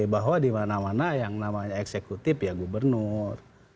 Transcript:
bahwa di mana mana yang namanya eksekutif ya gubernur